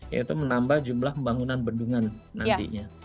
yaitu menambah jumlah pembangunan bendungan nantinya